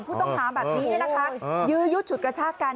ผู้ต้องหาแบบนี้เนี่ยนะคะยื้อยุดฉุดกระชากัน